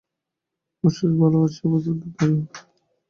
আমার শরীর ভাল আছে, অভেদানন্দেরও তাই।